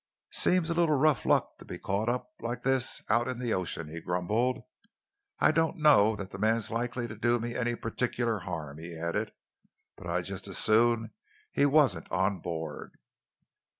"Seems a little rough luck to be caught up like this out in the ocean," he grumbled. "I don't know that the man's likely to do me any particular harm," he added, "but I'd just as soon he wasn't on board."